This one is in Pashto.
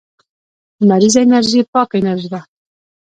لمریزه انرژي پاکه انرژي ده